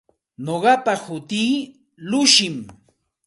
Nuqapa hutii Llushim.